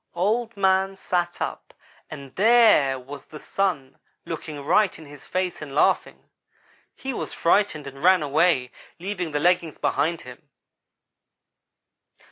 Old man sat up and there was the Sun looking right in his face and laughing. He was frightened and ran away, leaving the leggings behind him.